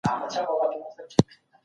قوت باید د حق د ترلاسه کولو لپاره وي.